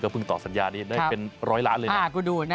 ก็เพิ่งตอบสัญญานี้ได้เป็น๑๐๐ล้านบาทเลย